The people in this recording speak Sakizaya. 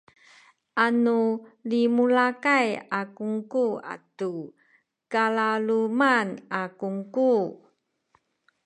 anu limulakay a kungku atu kalaluman a kungku